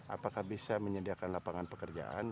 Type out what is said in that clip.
apakah bisa menyediakan lapangan pekerjaan